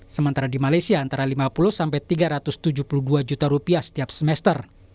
sementara di malaysia antara lima puluh sampai tiga ratus tujuh puluh dua juta rupiah setiap semester